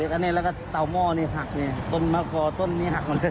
เหล็กอันนี้ทำ้เม้อเนี่ยหักเนี่ยต้นมากรอต้นนี้หักมาเลย